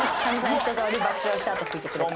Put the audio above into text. ひと通り爆笑したあと拭いてくれた。